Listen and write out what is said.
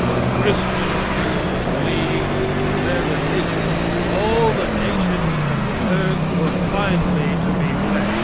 Christians used to believe that through their religion all the nations of the earth were finally to be blest.